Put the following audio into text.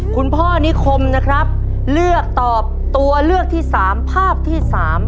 คุณพ่อนิคมนะครับเลือกตอบตัวเลือกที่๓ภาพที่๓